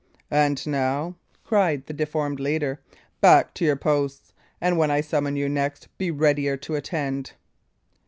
"And now," cried the deformed leader, "back to your posts, and when I summon you next, be readier to attend."